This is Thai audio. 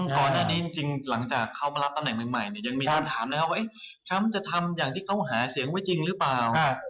ก่อนหน้านี้จริงหลังจากเขามารับตำแหน่งใหม่เนี่ยยังมีคำถามนะครับว่าทรัมป์จะทำอย่างที่เขาหาเสียงไว้จริงหรือเปล่า